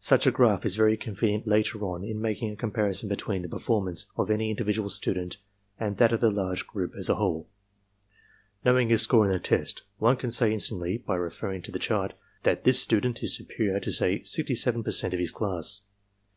Such a graph is very convenient later on in making a comparison between the performance of any in dividual student and that of the large group as a whole. Know ing his score in the test, one can say instantly, by reference to the chart, that this student is superior to say 67% of his class.